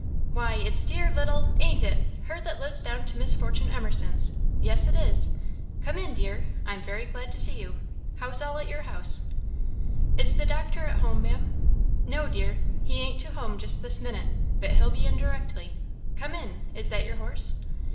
"Why, it's dear little ain't it? her that lives down to Miss Fortune Emerson's? yes, it is; come in, dear; I'm very glad to see you. How's all at your house?" "Is the doctor at home, Ma'am?" "No, dear, he ain't to home just this minute, but he'll be in directly; Come in; is that your horse?